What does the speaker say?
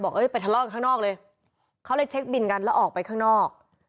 เอ้ยไปทะเลาะกันข้างนอกเลยเขาเลยเช็คบินกันแล้วออกไปข้างนอก